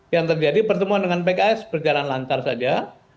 yang terjadi pertemuan dengan pks berjalan lancar saja